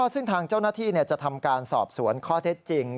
ซึ่งทางเจ้าหน้าที่จะทำการสอบสวนข้อเท็จจริง